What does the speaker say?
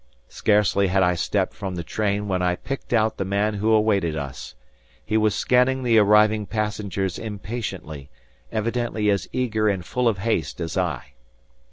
Scarcely had I stepped from the train when I picked out the man who awaited us. He was scanning the arriving passengers impatiently, evidently as eager and full of haste as I.